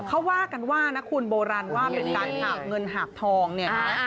เขาว่ากันว่านะคุณโบราณว่าเป็นการหาบเงินหาบทองเนี่ย